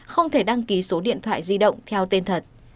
không thể đăng ký số điện thoại di động theo tên thật